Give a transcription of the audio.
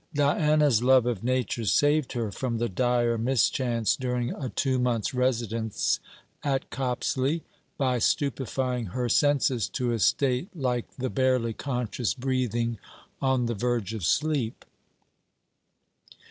Diana's love of nature saved her from the dire mischance during a two months' residence at Copsley, by stupefying her senses to a state like the barely conscious breathing on the verge of sleep.